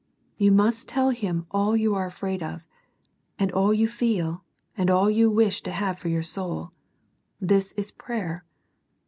You must tell Him all you are afraid of, and all you feel, and all you wish to have for your souL This is prayer.